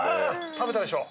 食べたでしょ？